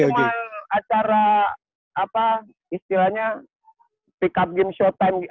itu kan cuma acara apa istilahnya pick up game show time